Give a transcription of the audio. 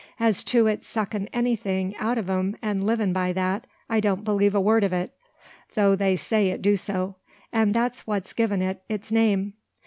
As to its suckin' anythin' out o' them an' livin' by that, I don't believe a word o' it; though they say it do so, and that's what's given it its name.